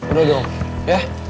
udah dong ya